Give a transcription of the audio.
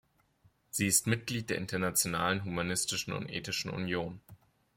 Sie ist Mitglied der Internationalen Humanistischen und Ethischen Union.